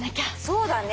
そうだね。